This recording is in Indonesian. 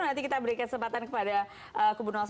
nanti kita berikan kesempatan kepada kubu satu